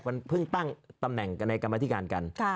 มันเพิ่งตั้งตำแหน่งกันในกรรมธิการกัน